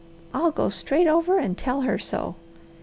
I'll go straight over and tell her so.'